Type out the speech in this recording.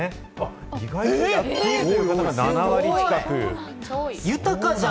意外とやっている方が７割近く。